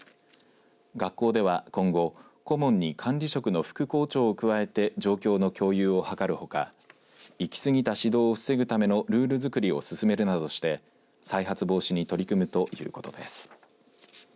学校では今後顧問に管理職の副校長を加えて状況の共有を図るほか行き過ぎた指導を防ぐためのルール作りを進めるなどして再発防止に取り組むということです。